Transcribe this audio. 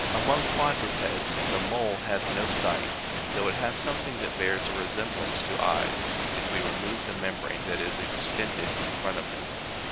Among quadrupeds the mole89 has no sight, though it has something that bears a re semblance to eyes, if we remove the membrane that is ex tended in front of them.